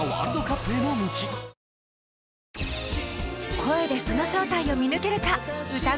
声でその正体を見抜けるか歌声